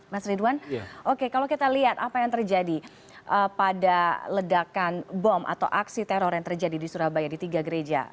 mas ridwan oke kalau kita lihat apa yang terjadi pada ledakan bom atau aksi teror yang terjadi di surabaya di tiga gereja